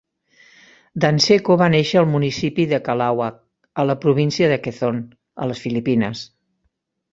Danseco va néixer al municipi de Calauag, a la província de Quezon, a les Filipines.